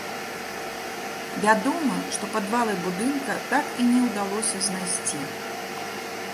Вядома, што падвалы будынка так і не ўдалося знайсці.